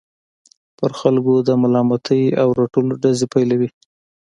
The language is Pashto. پر خلکو د ملامتۍ او رټلو ډزې پيلوي.